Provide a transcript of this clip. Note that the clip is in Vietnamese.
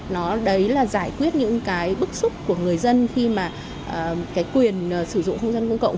nó đấy là giải quyết những cái bức xúc của người dân khi mà cái quyền sử dụng không gian công cộng